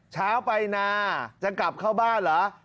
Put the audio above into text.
เช้าไปนาจะกลับเข้าบ้านเหรอ